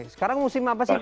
sekarang musim apa sih